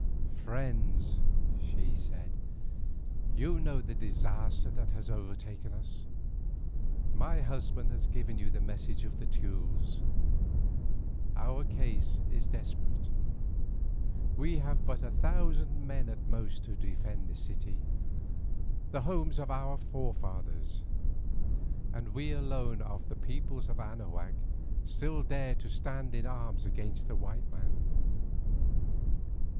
"Friends," she said, "you know the disaster that has overtaken us. My husband has given you the message of the Teules. Our case is desperate. We have but a thousand men at most to defend this city, the home of our forefathers, and we alone of all the peoples of Anahuac still dare to stand in arms against the white men.